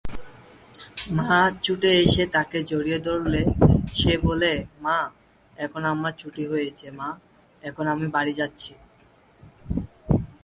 মা ছুটে এসে তাকে জড়িয়ে ধরলে সে বলে, "মা, এখন আমার ছুটি হয়েছে মা, এখন আমি বাড়ি যাচ্ছি।"